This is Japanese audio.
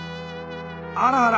あらあら！